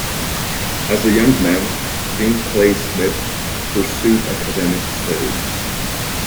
As a young man, Green Clay Smith pursued academic studies.